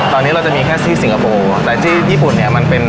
ตอนนี้เราจะมีแค่ที่สิงคโปร์แต่ที่ญี่ปุ่นเนี่ยมันเป็น